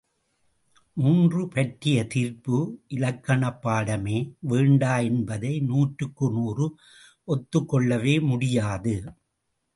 மூன்று பற்றிய தீர்ப்பு இலக்கணப் பாடமே வேண்டா என்பதை நூற்றுக்கு நூறு ஒத்துக்கொள்ளவே முடியாது.